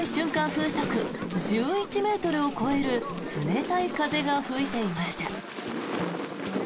風速１１ｍを超える冷たい風が吹いていました。